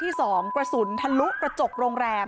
มีชายแปลกหน้า๓คนผ่านมาทำทีเป็นช่วยค่างทาง